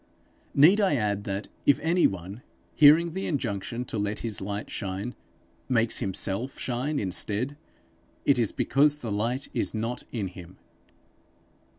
Need I add that, if any one, hearing the injunction to let his light shine, makes himself shine instead, it is because the light is not in him!